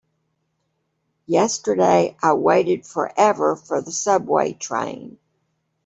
Yesterday I waited forever for the subway train.